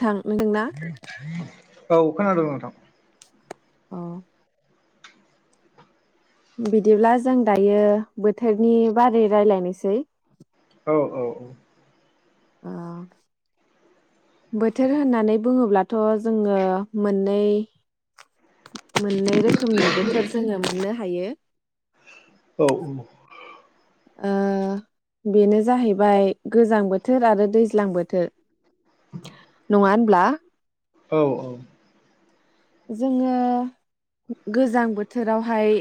थां नोंना [unintelligible] औ खोनादों नोथां अ बिदिब्ला जों दायो बोथोरनि बारै रायजलायनोसै औ औ औ ओ बोथोर होननानै बुङोब्ला थ जोङो मोननै [inaudible] मोननै रोखोमनि बोथोर जोंङो मोनो हायो। औ औ ओ बेनो जाहैबाय गोजां बोथोर आरो दैज्लां बोथोर नङा होनब्ला औ औ जोंङो गोजां बोथोरावहाय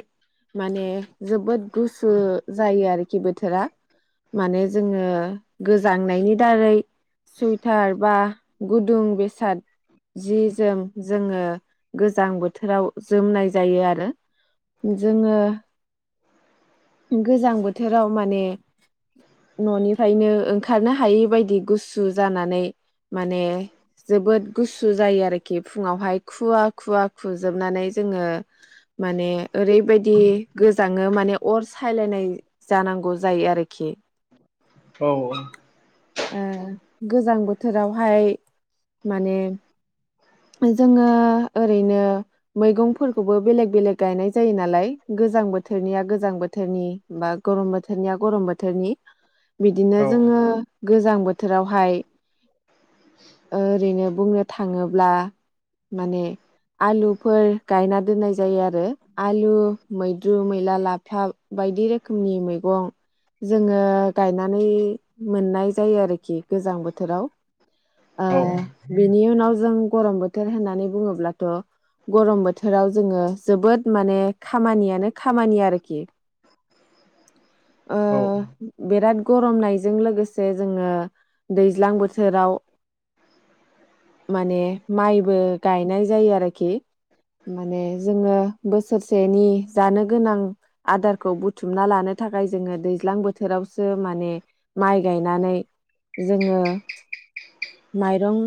माने जोबोद गुसु जायो आरो खि बोथोरा माने जोंङो गोजांनायनि दारै सुइटार बा गुदुं बेसाद जि जोम जोंङो गोजां बोथोराव जोमनाय जायो आरो जोंङो गोजां बोथोराव माने न'निफ्रायनो ओंखारनो हायै बायदि गुसु जानानै माने जोबोद गुसु जायो आरोखि फुङावहाय खुवा खुवा खुजोबनानै जोंङो माने ओरैबायदि गोजाङो माने अर सायलायनाय जानांगौ जायो आरोखि औ । ओ गोजां बोथोरावहाय माने जोङो । ओरैनो मैगंफोरखौबो बेलेग बेलेग गायनाय जायो नालाय गोजां बोथोरनिया गोजां बोथोरनि बा गरम बोथोरनिया गरम बोथोरनि । बिदिनो औ जोङो गोजां बोथोरावहाय ओरैनो बुंनो थाङोब्ला माने आलुफोर गायना दोननाय जायो आरो आलु मैद्रु मैला लाफा बायदि रोखोमनि मैगं जोङो गायनानै मोननाय जायो आरोखि गोजां बोथोराव ओ औ बेनि उनाव जों गरम बोथोर होननानै बुङोब्ला। थ गरम बोथोराव जोङो जोबोद माने खामानियानो खामानि आरोखि । ओ औ बिराद गरमनायजों लोगोसे जोङो दैज्लां बोथोराव माने माइबो गायनाय जायो आरोखि माने जोङो बोसोरसेनि जानो गोनां आदारखौ बुथुमना लानो थाखाय जोङो दैज्लां बोथोरावसो माने माइ गायनानै जोङो माइरं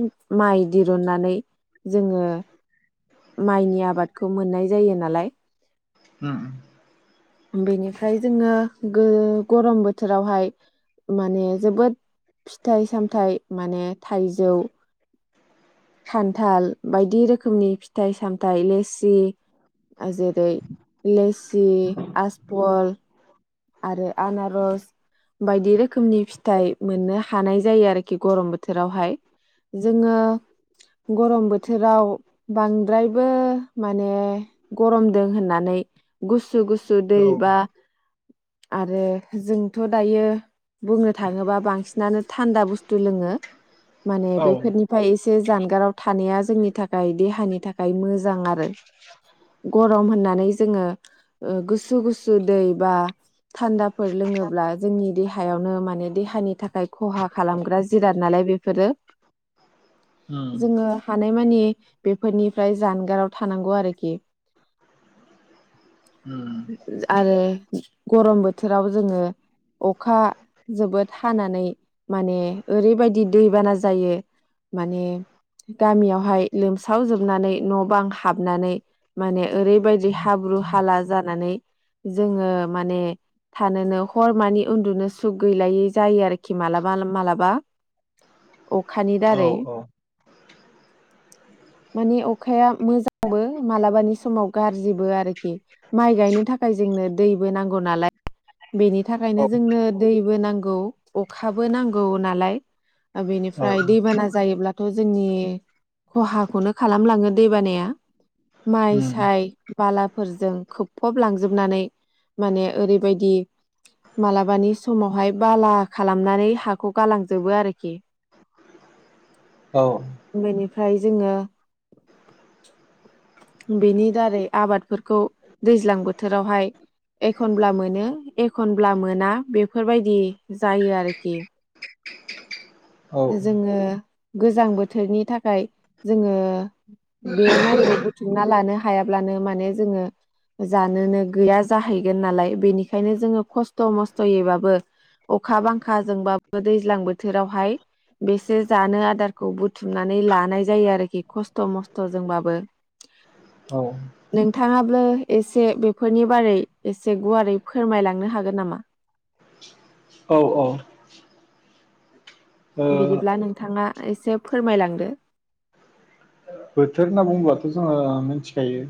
माइ दिरुननानै जोङो माइनि आबादखौ मोननाय जायो नालाय। ओम बेनिफ्राय जोङो गो गरम बोथोरावहाय माने जोबोद फिथाइ सामथाइ माने थाइजौ खान्थाल बायदि रोखोमनि फिथाइ सामथाइ लेस्सि आ जेरै लेस्सि आसपल आरो आनारस बायदि रोखोमनि फिथाइ मोननो हानाय जायो आरोखि गरम बोथोरावहाय जोङो गरम बोथोराव बांद्रायबो माने गरम दो होननानै गुसु गुस गुसु औ दै बा औ आरो जोंथ' दायो बुंनो थाङोबा बांसिनानो थान्दा बुस्थु लोङो माने बेफोरनिफ्राय एसे से जानगाराव थानाया जोंनि थाखाय देहानि थाखाय मोजां आरो गरम होननानै जोङो गुसु गुसु दै बा थान्दाफोर लोङोब्ला जोंनि देहायावनो माने देहानि थाखाय खहा खालामग्रा जिराद नालाय बेफोरो उम जोङो थानाय मानि बेफोरनिफ्राय जानगाराव थानांगौ आरोखि उम आरो गरम बोथोराव जोङो अखा जोबोद हानानै माने ओरैबायदि दैबाना जायो माने गामियावहाय लोमसावजोबनानै न' बां हाबनानै माने ओरैबायदि हाब्रु हाला जानानै जोङो माने थानोनो हर मानि उन्दुनो सुख गैलायै जायो आरोखि मालाबा मालाबा अखानि औ औ उम औ दारै मानि अखाया मोजांबो मालाबानि समाव गाज्रिबो आरोखि माइ गायनो थाखाय जोंनो दै बो नांगौ नालाय बेनि थाखायनो जोंनो दैबो नांगौ अखाबो नांगौ नालाय बेनिफ्राय दैबाना जायोब्लाथ' जोंनि खहाखौनो खालामलाङो दैबानाया माइ साय बालाफोरजों खोबफब लांजोबनानै माने ओरैबायदि मालाबानि समावहाय बाला खालामनानै हाखौ गालांजोबो आरोखि औ बेनिफ्राय जोङो बेनि दारै आबादफोरखौ दैज्लां बोथोरावहाय एखनब्ला मोनो एखनब्ला मोना बेफोरबायदि जायो आरोखि औ जोङो गोजां बोथोरनि थाखाय जोङो बे माइखौ बुथुमना लानो हायाब्लानो माने जोङो जानोनो गैया जाहैगोन नालाय बेनिखायनो जोङो खस्थ' मस्थ'यैबाबो अखा बांखाजोंबाबो दैज्लां बोथोरावहाय बेसे जानो आदारखौ बुथुमनानै लानाय जायो आरोखि खस्थ' मस्थ'जोंबाबो औ नोंथाङाबो एसे बेफोरनि बारै एसे गुवारै फोरमायलांनो हागोन नामा औ औ बिदिब्ला नोंथाङा एसे फोरमायलांदो बोथोर होनना बुङोबाथ' जोङो मिथिखायो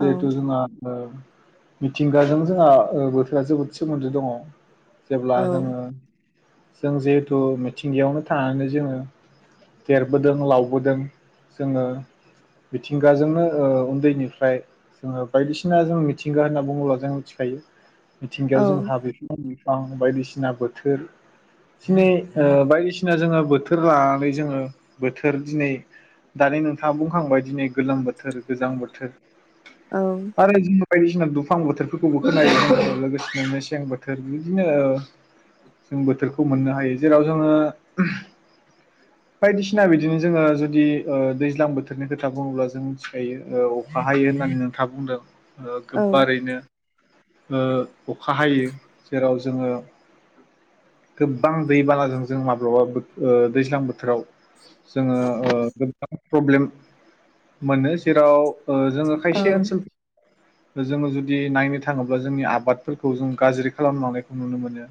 औ जोंहा न मिथिंगाजों जोंहा बोथोरा जोबोद सोमोन्दो दङ जेब्ला औ जोङो जों जिहेथु मिथिंगायावनो थानानै जोङो देरबोदों लावबोदों जोङो मिथिंगाजोंनो ओ उन्दैनिफ्राय जोङो बायदिसिना जों मिथिंगा होनना बुङोब्ला जों मिथिखायो मिथिंगायाव औ जों हाब आं बायदिसिना बोथोर दिनै बायदिसिना जोङो बोथोर लानानै जोङो बोथोर दिनै दानि नोंथाङा बुंखांबाय दिनै गोलोम बोथोर गोजां बोथोर औ आरो जोङो बायदिसिना दुफां बोथोरफोरखौबो खोनायो जोङो लोगोसेनो मेसें बोथोर बिदिनो जों बोथोरखौ मोननो हायो जेराव जोङो बायदिसिना बिदिनो जोङो जुदि ओ दैज्लां बोथोरनि खोथा बुङोब्ला जों मिथिखायो अखा हायो होननानै नोंथाङा बुंदों ओ औ गोबारैनो ओ अखा हायो जेराव जोङो गोबां दै बानाजों जों माब्लाबा दैज्लां बोथोराव जोङो ओ गोबां प्रब्लेम मोनो जेराव ओ जोङो औ खायसे ओनसोल जोङो जुदि नायनो थाङोब्ला जोंनि आबादफोरखौ जों गाज्रि खालामलांनायखौ नुनो मोनो।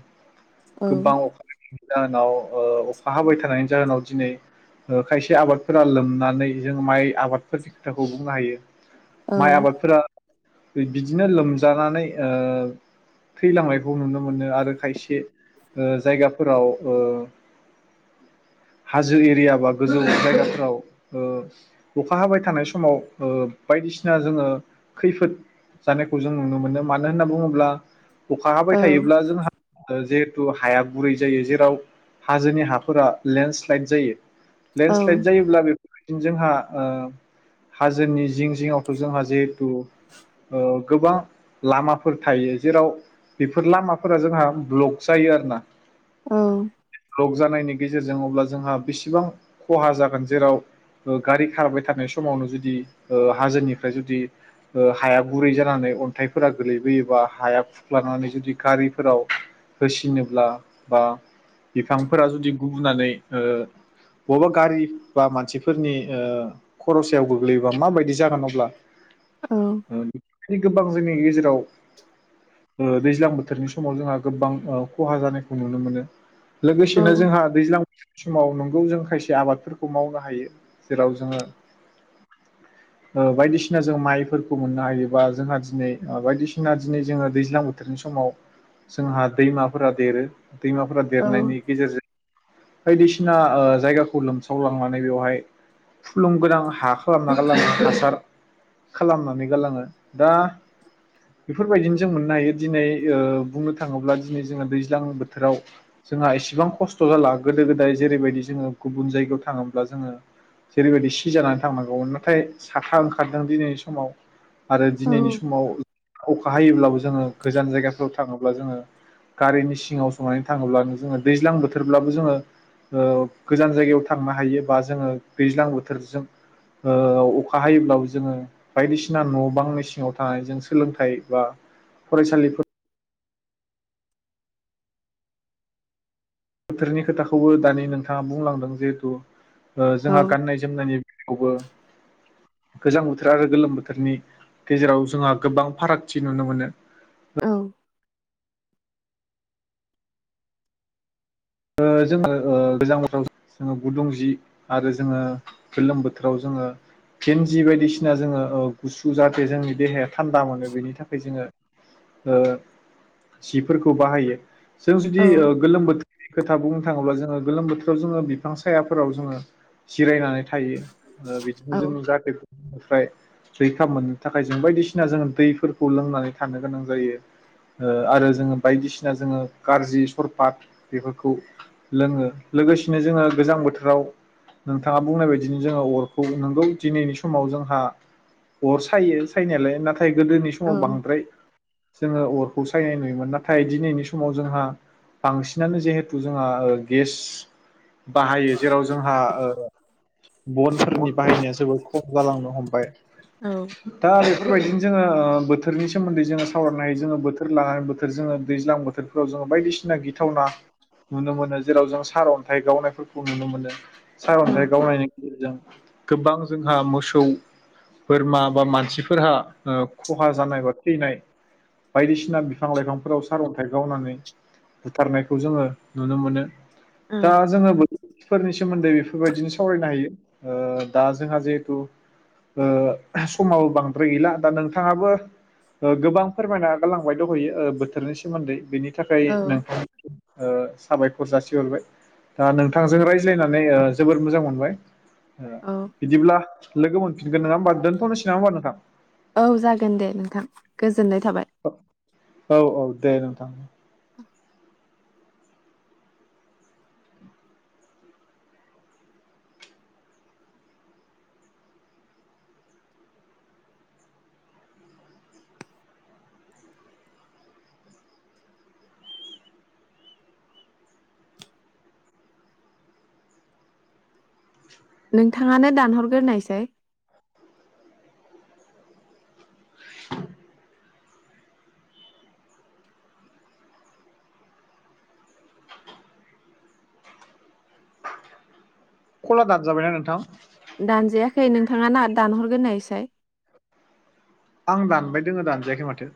गोबां अखा थायफ्रिदों जाहोनाव ओ अखा हाबाय थानायनि जाहोनाव दिनै खायसे आबाद फोर लोमनानै जों माइ आबादफोरनि खोथाखौ बुंनो हायो। माइ आबादफोरा बिदिनो लोमजानानै ओ थैलांनायखौ नुनो मोनो आरो खायसे ओ जायगाफोराव ओ हाजो एरिया बा गोजौ जायगाफोर औ ओ अखा हाबाय थानाय समाव ओ बायदिसिना जोङो खैफोद जानायखौ जों नुनो मोनो मानो होनना बुङोब्ला अखा हाबाय थायोब्ला जोंहा जे थु हाया गुरै जायो जेराव हाजोनि हाफोरा लेन्डस्लाइद जायो औ लेन्डस्लाइद जायोब्ला जोंहा ओ हाजोनि जिं जिङआवथ' जोंहा जिहेथु ओ गोबां लामाफोर थायो जेराव बेफोर लामाफोरा जोंहा ब्लक जायो आरोना उम ब्लक जानायनि गेजेरजों अब्ला जोंहा बेसेबां खहा जागोन जेराव गारि खारबाय थानाय समावनो जुदि ओ हाजोनिफ्राय जुदि ओ हाया गुरै जानानै अन्थाइफोरा गोलैबोयोबा हाया फुख्लानानै जुदि गारिफोराव होसिनोब्ला बा बिफांफोरा जुदि गुबुनानै ओ बबा गारि बा मानसिफोरनि ओ खर' सायाव गोग्लैयोबा माबायदि जागोन अब्ला ओ बिदि गोबां जोंनि गेजेराव ओ दैज्लां बोथोरनि समाव जोंहा गोबां ओ खहा जानायखौ नुनो मोनो। लोगोसेनो जोंहा दैज्लां समाव नंगौ जों खायसे आबादफोरखौ खमाव बाहायो जेराव जोङो ओ बायदिसिना जों माइफोरखौ मोननो हायो बा जोंहा दिनै ओ बायदिसिना दिनै जोङो दैज्लां बोथोरनि समाव जोंहा दैमाफोरा देरो दैमाफोरा देरनायनि गेजेरजों बायदिसिना ओ जायगाखौ लोमसावलांनानै बेवहाय फुलुं गोनां हा खालामना गारलाङो हासार खालामनानै गालाङो दा बेफोरबायदिनो जों मोननो हायो दिनै ओ बुंनो थाङोब्ला दिनै जोङो दैज्लां बोथोराव जोंहा इसेबां खस्थ' जाला‌ जेरैबायदि जोङो गुबुन जायगायाव थाङोब्ला जोङो जेरैबायदि सिजानानै थांनांगौमोन नाथाय साथा ओंखारदों दिनैनि समाव आरो दिनैनि समाव बाहायोब्लाबो जोङो गोजान जायगाफोराव थाङोब्ला जोङो गारिनि सिङाव जनानै थाङोब्लानो जोङो दैज्लां बोथोरब्लाबो जोङो ओ गोजान जायगायाव थांनो हायो बा जोङो दैज्लां बोथोरजों ओ अखा हायोब्लाबो जोङो बायदिसिना न' बांनि सिङाव थानाय जों सोलोंथाइ बा फरायसालिफोर बोथोरनि खोथाखौबो दानि नोंथाङा बुंलांदों जिहेथु ओ जोंहा गाननाय जोमनायनि बेलायावबो गोजां बोथोर आरो गोलोम बोथोरनि गेजेराव जोंहा गोबां फारागथि नुनो मोनो। औ ओ जोङो ओ गोजां बोथोराव जोङो गुदुं जि आरो जोङो गोलोम बोथोराव जोङो फेन्जि बायदिसिना जोङो ओ गुसु जाहाथे जोंनि देहाया थान्दा मोनो बेनि थाखाय जोङो ओ सिफोरखौ बाहायो जों जुदि ओ गोलोम बोथोर खोथा बुंनो थाङोब्ला जोङो गोलोम बोथोराव जोङो बिफां सायाफोराव जोङो जिरायनानै थायो ओ बिदिनो जोंनि जाते रैखा मोननो थाखाय जों बायदिसिना जों दैफोरखौ लोंनानै थानो गोनां जायो ओ आरो जोङो बायदिसिना जोङो कारजि सरफात बेफोरखौ लोङो लोगोसे बिनो जोङो गोजां बोथोराव नोंथाङा बुंनाय बायदिनो जोङो अरखौ नोंगौ दिनैनि समाव जोंहा अर सायो सायनायालाय नाथाय गोदोनि समाव बांद्राय जोङो अर अर सायनाय नुयोमोन नाथाय दिनैनि समाव जोंहा बांसिन बिदियानो जिहेथु जोंहा गेस बाहायो जेराव जोंहा ओ बनफोरनि बाहायनाया जोबोद खम जालांनो हमबाय दा बेफोरबायदिनो जोङो बोथोरनि सोमोन्दै जोङो सावरायनाय जोङो बोथोर लानानै बोथोर जोङो दैज्लां बोथोरफोराव जों बायदिसिना गिथावना नुनो मोनो जेराव जों सारअन्थाइ गावनायफोरखौ नुनो मोनो। सारअन्थाइ गावनायनि गेजेरजों गोबां जोंहा मोसौ बोरमा बा मानसिफोरहा खहा जानाय बा थैनाय बायदिसिना बिफां लाइफांफोराव सारअन्थाइ गावनानै बुथारनायखौ जोङो नुनो मोनो। औ दा जोङो बो फोरनिस सोमोन्दै बेफोरबायदिनो सावरायनो हायो। ओ दा जोंहा जिहेथु ओ समाबो बांद्राय गैला दा नोंथाङाबो गोबां फोरमायना गालांबाय दहैयो ओ बोथोरनि सोमोन्दै बेनि थाखाय नों ओ साबायखर जासि हरबाय। दा नोंथांजों रायज्लायनानै ओ जोबोर मोजां मोनबाय। ओ औ बिदिब्ला लोगो मोनफिनगोन नङा ओमबा दोनथ'सै नङा होनबा नोंथां? औ जागोन दे नोंथां गोजो गोजोननाय थाबाय। औ औ दे नोंथां। नोंथाङानो दानहरगोरनायसाय। [inaudible] खला दानजाबायना नोंथां? दानजायाखै नोंथाङा ना दानहरगोरनायसाय। आं दानबाय दोङो दानजायाखै माथो।